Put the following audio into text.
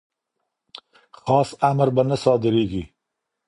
خاص امر به نه صادریږي.